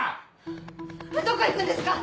どこ行くんですか？